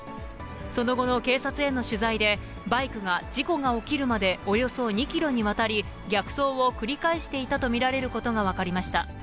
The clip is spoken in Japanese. その後の警察への取材で、バイクが、事故が起きるまでおよそ２キロにわたり、逆走を繰り返していたと見られることが分かりました。